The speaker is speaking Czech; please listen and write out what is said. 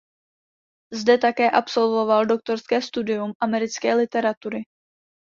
Zde také absolvoval doktorské studium americké literatury.